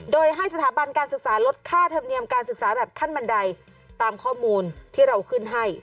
โดยให้สถาบันการศึกษาลดค่าธรรมเนียมการศึกษาแบบขั้นบันไดตามข้อมูลที่เราขึ้นให้